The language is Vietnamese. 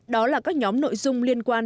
đó là các nhóm nội dung liên quan